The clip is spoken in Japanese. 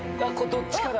どっちかや。